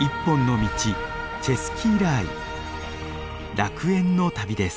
楽園の旅です。